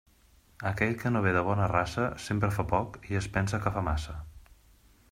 Aquell que no ve de bona raça, sempre fa poc i es pensa que fa massa.